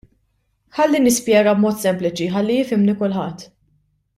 Ħalli nispjega b'mod sempliċi ħalli jifhimni kulħadd.